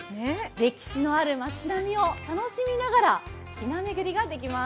歴史のある町並みを楽しみながら、ひな巡りができます。